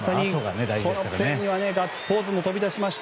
このプレーにはガッツポーズも飛び出しました。